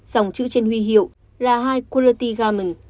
dòng chữ trên huy hiệu là high quality garment